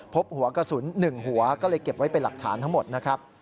พบหัวกระสุน๑หัวก็เลยเก็บไว้เป็นหลักฐานทั้งหมดนะครับ